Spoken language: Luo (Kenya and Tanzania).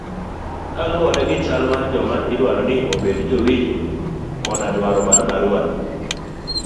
kaluwore gi chal mar joma idwaro ni obed jowinjo koda dwaro mar barua no